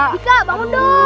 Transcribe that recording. bika bangun dong